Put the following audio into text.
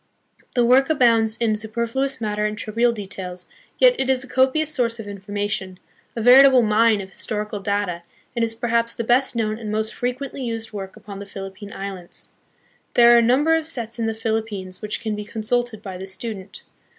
The work abounds in superfluous matter and trivial details, yet it is a copious source of information, a veritable mine of historical data, and is perhaps the best known and most frequently used work upon the Philip pine Islands. There are a number of sets in the Philip pines which can be consulted by the student.